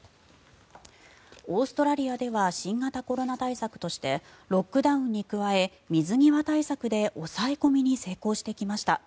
オーストラリアでは新型コロナ対策としてロックダウンに加えて水際対策で抑え込みに成功してきました。